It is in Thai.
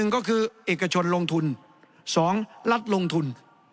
ก็คือเอกชนลงทุน๒รัฐลงทุน